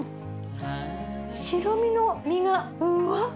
白身の身がふっわふわ。